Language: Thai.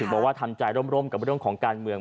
บอกว่าทำใจร่มกับเรื่องของการเมือง